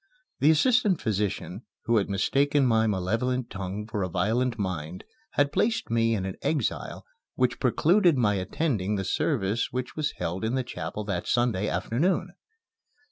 The assistant physician, who had mistaken my malevolent tongue for a violent mind, had placed me in an exile which precluded my attending the service which was held in the chapel that Sunday afternoon.